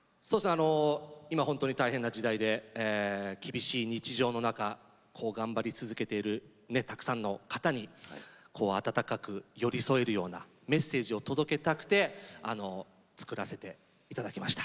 今本当に大変な時代で厳しい日常の中頑張り続けているたくさんの方に温かく寄り添えるようなメッセージを届けたくて作らせていただきました。